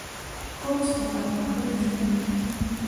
کورس د پرمختګ زینه ده.